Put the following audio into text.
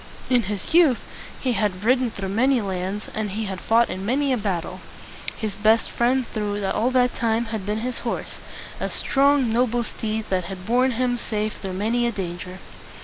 In his youth he had ridden through many lands, and he had fought in many a battle. His best friend through all that time had been his horse, a strong, noble steed that had borne him safe through many a danger.